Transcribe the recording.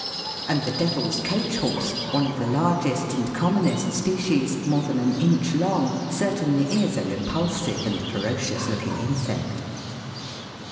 And the Devil's Coach horse, one of the largest and commonest species, more than an inch long, certainly is a repulsive and ferocious looking insect.